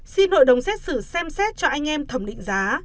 xin hội đồng xét xử xem xét cho anh em thẩm định giá